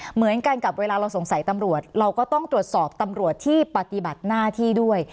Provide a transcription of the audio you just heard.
เหมือนกันกับเวลาเราสงสัยตำรวจเราก็ต้องตรวจสอบตำรวจที่ปฏิบัติหน้าที่ด้วย